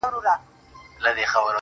يو غم چي ټک واهه له بله ـ بل له بله سره_